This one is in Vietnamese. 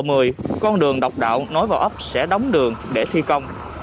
trong lộ một mươi con đường độc đạo nối vào ấp sẽ đóng đường để thi công